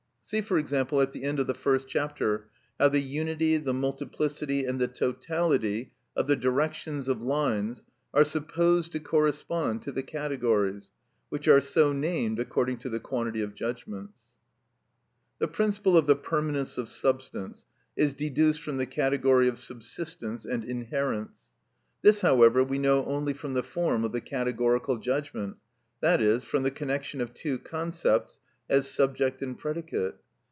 See, for example, at the end of the first chapter how the unity, the multiplicity, and the totality of the directions of lines are supposed to correspond to the categories, which are so named according to the quantity of judgments. ‐‐‐‐‐‐‐‐‐‐‐‐‐‐‐‐‐‐‐‐‐‐‐‐‐‐‐‐‐‐‐‐‐‐‐‐‐ The principle of the Permanence of Substance is deduced from the category of subsistence and inherence. This, however, we know only from the form of the categorical judgment, i.e., from the connection of two concepts as subject and predicate.